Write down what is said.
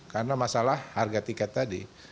karena masalah harga tiket tadi